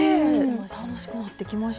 ねえ楽しくなってきました。